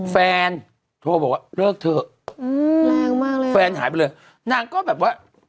แฟนโทรบอกว่าเลิกเถอะอืมแรงมากเลยแฟนหายไปเลยนางก็แบบว่า